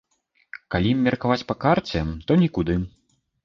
Калі меркаваць па карце, то нікуды.